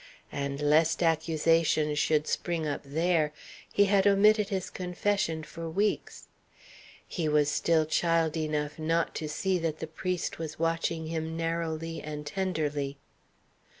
And lest accusation should spring up there, he had omitted his confession for weeks. He was still child enough not to see that the priest was watching him narrowly and tenderly.